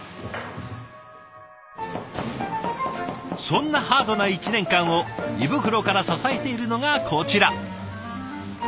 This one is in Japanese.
そんなハードな１年間を胃袋から支えているのがこちら。